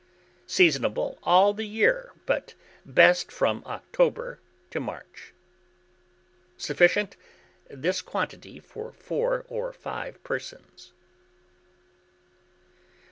Seasonable all the year, but best from October to March. Sufficient. This quantity for 4 or 5 persons.